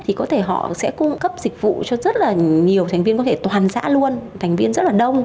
thì có thể họ sẽ cung cấp dịch vụ cho rất là nhiều thành viên có thể toàn xã luôn thành viên rất là đông